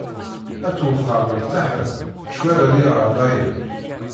At uxxam rtaḥen, ccwal ar iɣerdayen.